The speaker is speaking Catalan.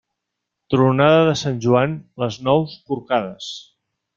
Tronada de sant Joan, les nous corcades.